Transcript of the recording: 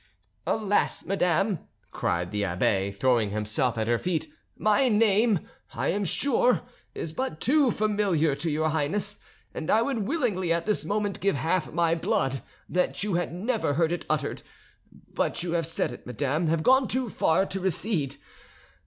"Alas, madame," cried the abbe, throwing himself at her feet, "my name, I am sure, is but too familiar to your Highness, and I would willingly at this moment give half my blood that you had never heard it uttered; but you have said it, madame, have gone too far to recede.